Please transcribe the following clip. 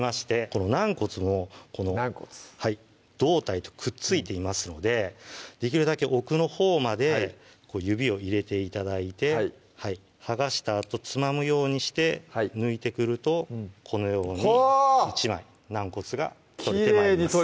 この軟骨も胴体とくっついていますのでできるだけ奥のほうまで指を入れて頂いて剥がしたあとつまむようにして抜いてくるとこのように１枚軟骨が取れて参ります